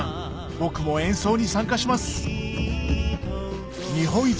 僕も演奏に参加します